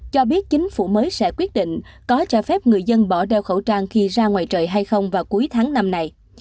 cho biết chính phủ mới sẽ quyết định có cho phép người dân bỏ đeo khẩu trang khi ra ngoài trời hay không vào cuối tháng năm này